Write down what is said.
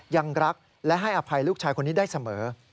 ยังรักและให้อภัยลูกชายคนนี้ได้เสมอ